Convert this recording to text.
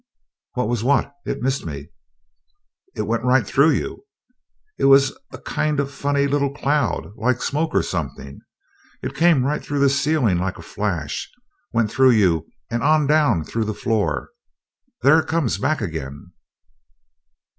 "What was what? It missed me." "It went right through you! It was a kind of funny little cloud, like smoke or something. It came right through the ceiling like a flash went right through you and on down through the floor. There it comes back again!"